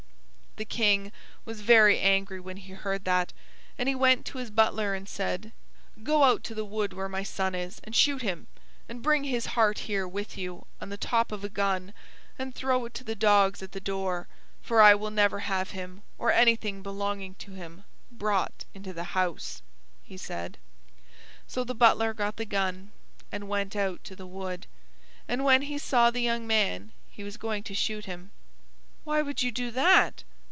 The King was very angry when he heard that, and he went to his butler and said, "Go out to the wood where my son is, and shoot him, and bring his heart here with you on the top of a gun and throw it to the dogs at the door; for I will never have him, or anything belonging to him, brought into the house," he said. So the butler got the gun, and went out to the wood; and when he saw the young man he was going to shoot him. "Why would you do that?"